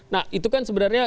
nah itu kan sebenarnya